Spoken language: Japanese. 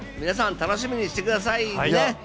皆さん楽しみにしてくださいね。